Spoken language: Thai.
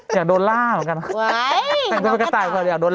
ใจตาย